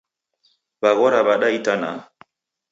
W'aghora w'ada itanaha?